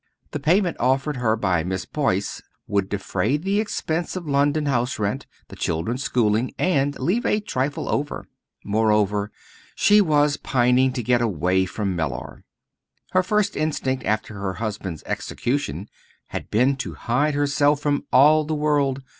The payment offered her by Miss Boyce would defray the expense of London house rent, the children's schooling, and leave a trifle over. Moreover she was pining to get away from Mellor. Her first instinct after her husband's execution had been to hide herself from all the world.